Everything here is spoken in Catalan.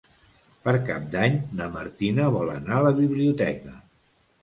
Per Cap d'Any na Martina vol anar a la biblioteca.